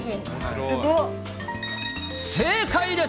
正解です。